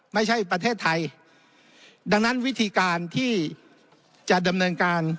ไม่ใช่ประเทศไทยดังนั้นวิธีการที่จะดำเนินการ